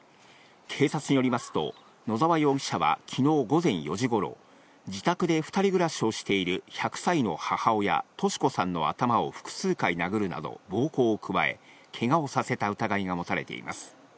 警察によりますと野澤容疑者は昨日午前４時頃、自宅で２人暮らしをしている１００歳の母親・敏子さんの頭を複数回殴るなど暴行を加え、けがをさせた疑いが持たれています。